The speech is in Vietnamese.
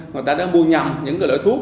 người ta đã mua nhầm những loại thuốc